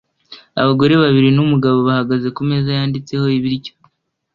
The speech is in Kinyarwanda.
Abagore babiri n'umugabo bahagaze kumeza yanditseho ibiryo